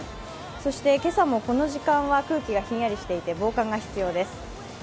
そして今朝もこの時間は空気がひんやりしていて防寒が必要です。